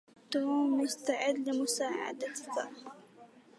توم مستعد لمساعدتك.